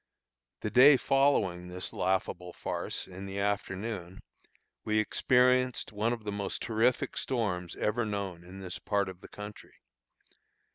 The day following this laughable farce, in the afternoon, we experienced one of the most terrific storms ever known in this part of the country.